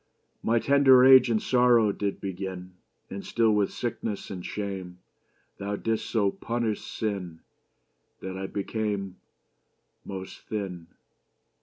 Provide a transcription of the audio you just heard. My tender age in sorrow did beginne And still with sicknesses and shame. Thou didst so punish sinne, That I became Most thinne.